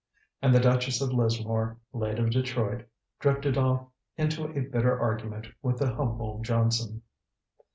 And the Duchess of Lismore, late of Detroit, drifted off into a bitter argument with the humble Johnson.